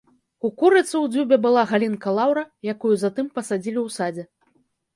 У курыцы ў дзюбе была галінка лаўра, якую затым пасадзілі ў садзе.